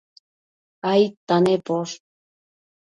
aidta nemposh?